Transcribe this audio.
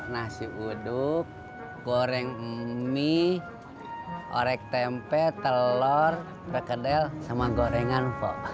nasi uduk goreng mie orek tempe telur rekedel sama gorengan